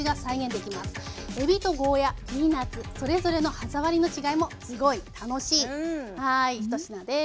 えびとゴーヤーピーナツそれぞれの歯触りの違いもすごい楽しい１品です。